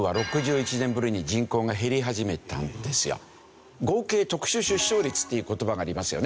去年中国は合計特殊出生率っていう言葉がありますよね。